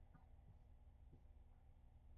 为牟羽可汗的宰相。